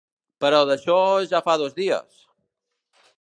Però d'això ja fa dos dies!